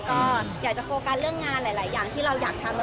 ก็อยากจะโฟกัสเรื่องงานหลายอย่างที่เราอยากทำ